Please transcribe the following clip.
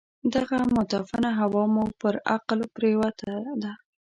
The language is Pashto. دغه متعفنه هوا مو پر عقل پرېوته ده.